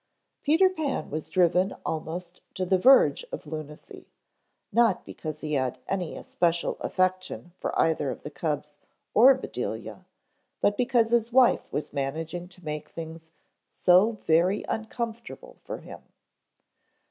Peter Pan was driven almost to the verge of lunacy, not because he had any especial affection for either the cubs or Bedelia, but because his wife was managing to make things so very uncomfortable for him.